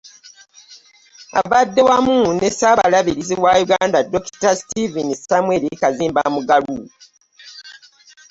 Abadde wamu ne Ssaabalabirizi wa Uganda, Dokita Steven Samuel Kazimba Mugalu.